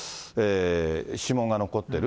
指紋が残ってる。